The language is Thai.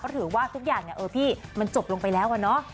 ถือว่าทุกอย่างมันจบลงไปแล้วนะ